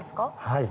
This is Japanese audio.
はい。